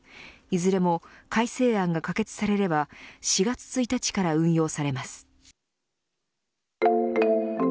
いずれも改正案が可決されれば４月１日から運用されます。